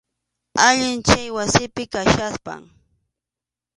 Allin chay wasipi kachkaspam.